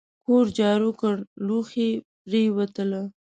کور جارو کړه لوښي پریوله !